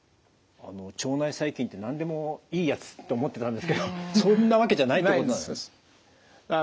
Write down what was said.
腸内細菌って何でもいいやつって思ってたんですけどそんなわけじゃないってことなんですね。